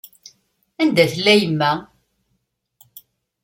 Anda i tella yemma?